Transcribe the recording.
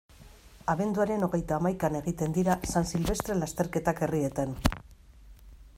Abenduaren hogeita hamaikan egiten dira San Silvestre lasterketak herrietan.